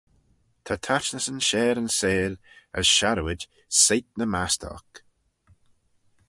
Ta taitnysyn share yn seihll, as sharrooid seiht ny mastey oc.